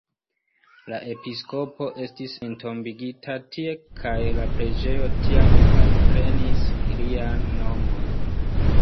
La episkopo estis entombigita tie kaj la preĝejo tiam alprenis lian nomon.